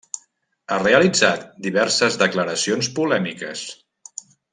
Ha realitzat diverses declaracions polèmiques.